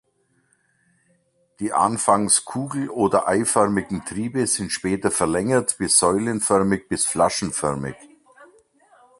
Die anfangs kugel- oder eiförmigen Triebe sind später verlängert bis säulenförmig bis flaschenförmig.